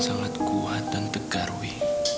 ia sangat kuat dan tegar wi